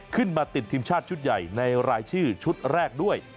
ขึ้นมาติดทีมชาติชุดใหญ่ในรายชื่อชุดแรกด้วย